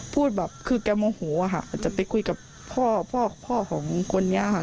พูดแบบคือแกโมโหค่ะจะไปคุยกับพ่อพ่อของคนนี้ค่ะ